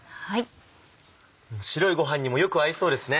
白いご飯にもよく合いそうですね。